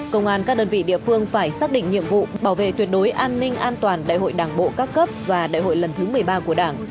công an các đơn vị địa phương phải xác định nhiệm vụ bảo vệ tuyệt đối an ninh an toàn đại hội đảng bộ các cấp và đại hội lần thứ một mươi ba của đảng